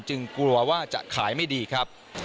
กลัวว่าจะขายไม่ดีครับ